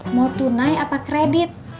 mau tunai apa kredit